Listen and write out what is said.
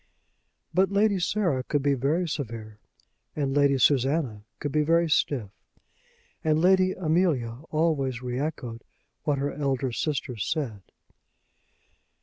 But Lady Sarah could be very severe; and Lady Susanna could be very stiff; and Lady Amelia always re echoed what her elder sisters said.